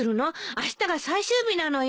あしたが最終日なのよ。